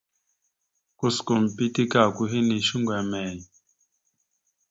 Kuskom pitike ako hinne shuŋgo emey ?